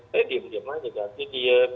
saya diam diam aja ganti